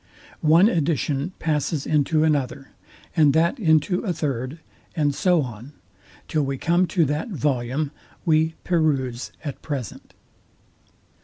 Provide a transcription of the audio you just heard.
One edition passes into another, and that into a third, and so on, till we come to that volume we peruse at present.